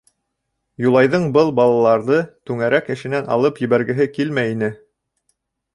Юлайҙың был балаларҙы түңәрәк эшенән алып ебәргеһе килмәй ине.